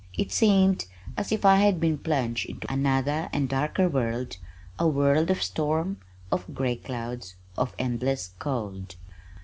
It seemed as if I had been plunged into another and darker world, a world of storm, of gray clouds, of endless cold.